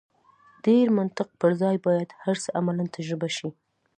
ډېر منطق پر ځای باید هر څه عملاً تجربه شي.